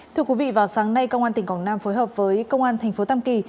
thưa quý vị vào sáng nay công an tỉnh quảng nam phối hợp với công an tp tâm kỳ